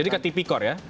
jadi ke tipikor ya